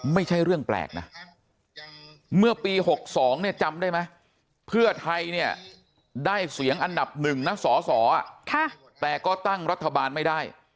ไม่ใช่เรื่องแปลกนะเมื่อปี๖๒เนี่ยจำได้ไหมเพื่อไทยเนี่ยได้เสียงอันดับหนึ่งนะสอสอแต่ก็ตั้งรัฐบาลไม่ได้